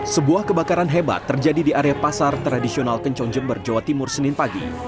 sebuah kebakaran hebat terjadi di area pasar tradisional kencong jember jawa timur senin pagi